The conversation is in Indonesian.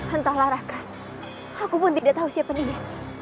entahlah raka aku pun tidak tahu siapa dia